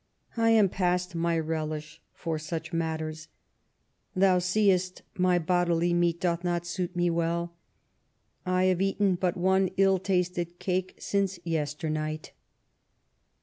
I am past my relish for such matters. Thou seest my bodily meat doth not suit me well ; I have eaten but one ill tasted cake since yesternight.'